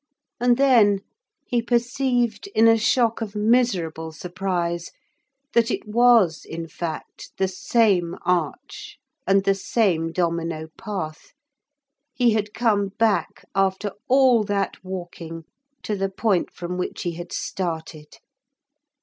And then he perceived in a shock of miserable surprise that it was, in fact, the same arch and the same domino path. He had come back, after all that walking, to the point from which he had started.